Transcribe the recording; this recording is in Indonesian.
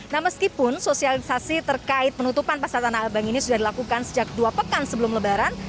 nah meskipun sosialisasi terkait penutupan pasar tanah abang ini sudah dilakukan sejak dua pekan sebelum lebaran